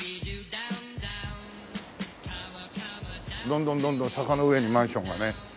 どんどんどんどん坂の上にマンションがね。